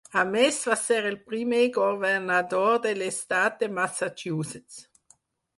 A més, va ser el primer governador de l'Estat de Massachusetts.